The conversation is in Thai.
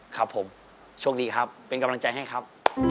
ครับผมโชคดีครับเป็นกำลังใจให้ครับ